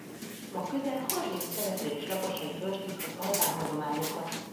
Ma közel harminc település lakosai őrzik az albán hagyományokat.